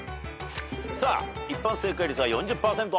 さあ一般正解率は４０％。